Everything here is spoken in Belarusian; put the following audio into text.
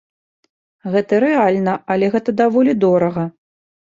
Гэта рэальна, але гэта даволі дорага.